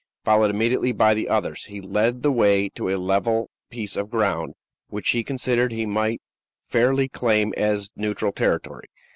Followed immediately by the others, he led the way to a level piece of ground, which he considered he might fairly claim as neutral territory.